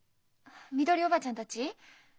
みどり叔母ちゃんたち？